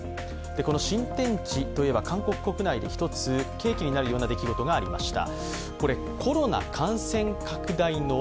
この新天地といえば、韓国国内で一つ契機になるような出来事がありました。